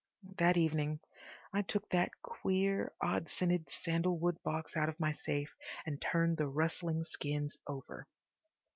That evening I took that queer, odd scented sandalwood box out of my safe and turned the rustling skins over.